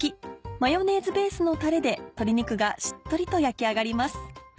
マヨネーズベースのタレで鶏肉がしっとりと焼き上がります。